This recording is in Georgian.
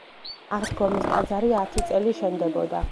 აღდგომის ტაძარი ათი წელი შენდებოდა.